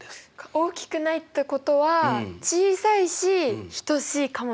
大きくないってことは小さいし等しいかもしれないみたいなことですか。